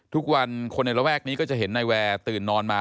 ทุกวันคนในระแวกนี้ก็จะเห็นนายแวร์ตื่นนอนมา